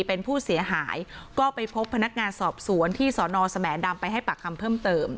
เป็นผู้เสียหายก็ไปพบพนักงานสอบสวนที่สอนอสแหมดำไปให้ปากคำเพิ่มเติม